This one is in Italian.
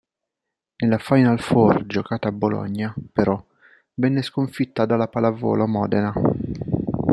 Nella Final Four giocata a Bologna, però, venne sconfitta dalla Pallavolo Modena.